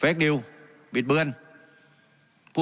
การปรับปรุงทางพื้นฐานสนามบิน